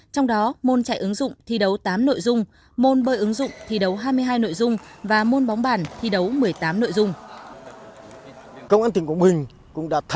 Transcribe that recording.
trong đó môn chạy ứng dụng thi đấu tám nội dung môn bơi ứng dụng thi đấu hai mươi hai nội dung và môn bóng bàn thi đấu một mươi tám nội dung